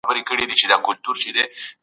د ليکوالۍ هنر زده کړه غواړي.